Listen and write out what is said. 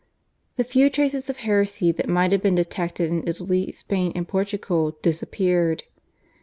The few traces of heresy that might have been detected in Italy, Spain, and Portugal disappeared.